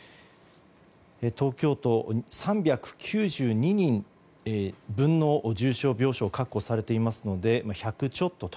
東京都、３９２人分の重症病床が確保されていますので１００ちょっとと。